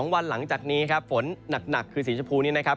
วันหลังจากนี้ครับฝนหนักคือสีชมพูนี้นะครับ